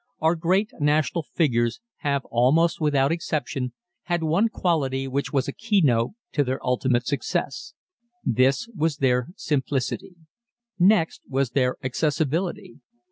Our great national figures have almost without exception had one quality which was a keynote to their ultimate success this was their simplicity. Next was their accessibility.